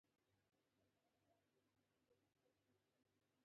ملاتړ اعلانولای نه شو.